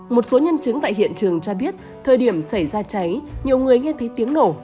một số nhân chứng tại hiện trường cho biết thời điểm xảy ra cháy nhiều người nghe thấy tiếng nổ